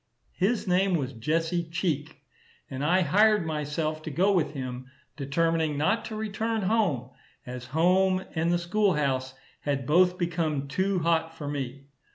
His name was Jesse Cheek, and I hired myself to go with him, determining not to return home, as home and the school house had both become too hot for me.